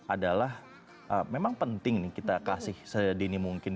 adalah memang penting nih kita kasih sedini mungkin